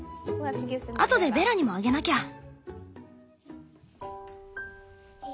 後でベラにもあげなきゃ！